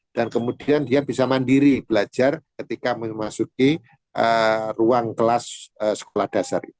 dan kemudian dia bisa mandiri belajar ketika memasuki ruang kelas sekolah dasar itu